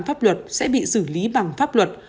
pháp luật sẽ bị xử lý bằng pháp luật